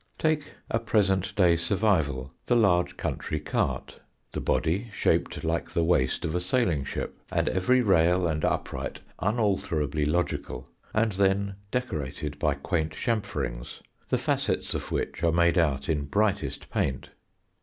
Take a present day survival, the large country cart, the body shaped like the waist of a sailing ship, and every rail and upright unalterably logical, and then decorated by quaint chamferings, the facets of which are made out in brightest paint.